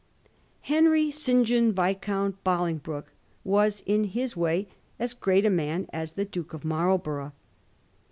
Henry St. John, Viscount Bolingbroke, was in his way as great a man as the Duke of Marlborough.